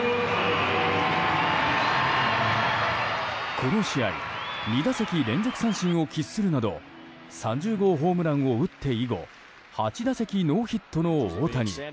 この試合２打席連続三振を喫するなど３０号ホームランを打って以後８打席ノーヒットの大谷。